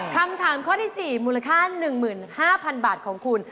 คำถามข้อที่๔มูลค่า๑๕๐๐๐บาทของคุณ